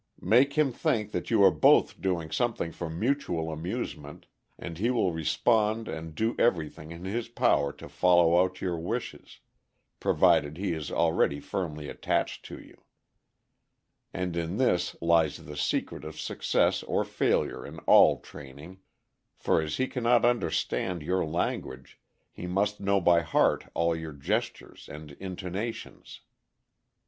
Make him think you are both doing something for mutual amusement, and he will respond and do everything in his power to follow out your wishes, provided he is already firmly attached to you; and in this lies the secret of success or failure in all training; for as he can not under stand your language, he must know by heart all your gest ures and intonations.